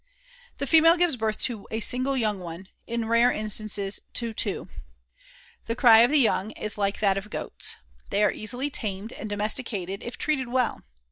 The female gives birth to a single young one, in rare instances to two. The cry of the young is like that of Goats. They are easily tamed and domesticated if treated well.